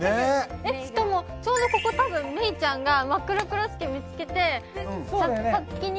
しかもちょうどここ多分メイちゃんがマックロクロスケ見つけてそうだよね